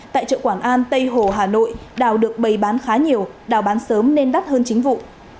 tại chợ quảng an tây hồ hà nội đào được bày bán khá nhiều đào bán sớm nên đắt hơn chính vụ